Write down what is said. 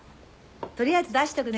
取りあえず出しとくね。